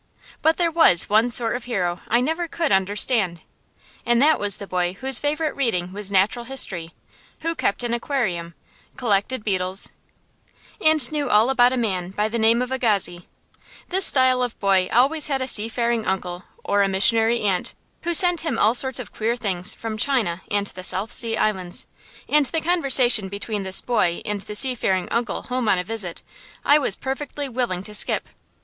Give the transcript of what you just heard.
But there was one sort of hero I never could understand, and that was the boy whose favorite reading was natural history, who kept an aquarium, collected beetles, and knew all about a man by the name of Agassiz. This style of boy always had a seafaring uncle, or a missionary aunt, who sent him all sorts of queer things from China and the South Sea Islands; and the conversation between this boy and the seafaring uncle home on a visit, I was perfectly willing to skip.